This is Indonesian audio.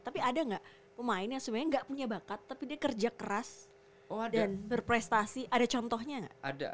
tapi ada gak pemain yang sebenarnya gak punya bakat tapi dia kerja keras dan berprestasi ada contohnya gak